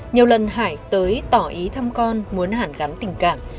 nhiều lần hải tới tỏ ý thăm con muốn hàn gắn tình cảm